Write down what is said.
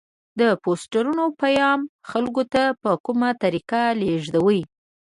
د پوسټرونو پیام خلکو ته په کومه طریقه لیږدوي؟